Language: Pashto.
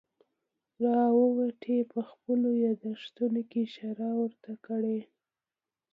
راورټي په خپلو یادښتونو کې اشاره ورته کړې.